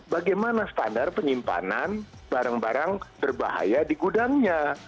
bagaimana standar penyimpanan barang barang berbahaya di gudangnya